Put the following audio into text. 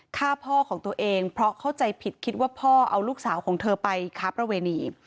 ฆ่าพ่อของตัวเองเพราะเข้าใจผิดคิดว่าพ่อเอาลูกสาวของเธอไปค้าประเวณี